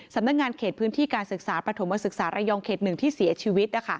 สำนักงานเขตพื้นที่การศึกษาประถมศึกษาระยองเขต๑ที่เสียชีวิต